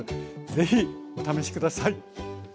ぜひお試し下さい。